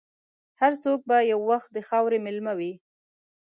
هر څوک به یو وخت د خاورې مېلمه وي.